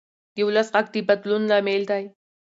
د ولس غږ د بدلون لامل دی